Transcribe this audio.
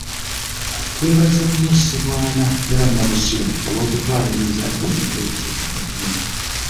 Twebaza nnyo Ssebwana ne Bannabusiro olw'okutwaniriza enfunda ezisukka mu gumu.